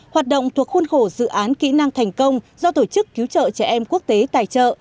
hoạt động thuộc khuôn khổ dự án kỹ năng thành công do tổ chức cứu trợ trẻ em quốc tế tài trợ